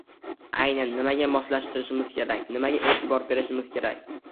aynan nimaga moslashishimiz kerak, nimaga eʼtibor qilishimiz kerak.